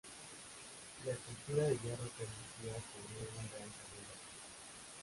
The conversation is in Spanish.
La estructura de hierro permitía cubrir un gran salón de actos.